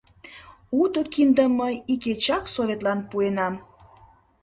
— Уто киндым мый икечак Советлан пуэнам!